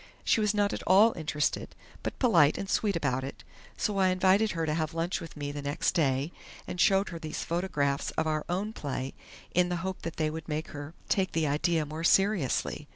She was not at all interested, but polite and sweet about it, so I invited her to have lunch with me the next day, and showed her these photographs of our own play in the hope that they would make her take the idea more seriously.